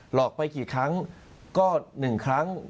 หลอกไปกี่ครั้งก็๑ครั้ง